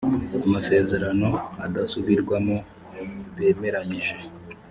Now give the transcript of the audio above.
amasezerano adasubirwamo bemeranyije